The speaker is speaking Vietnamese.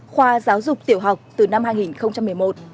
khoa giáo dục tiểu học từ năm hai nghìn một mươi một